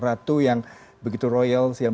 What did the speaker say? ratu yang begitu royal yang